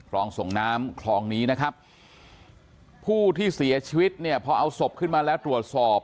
รองส่งน้ำคลองนี้นะครับผู้ที่เสียชีวิตเนี่ยพอเอาศพขึ้นมาแล้วตรวจสอบ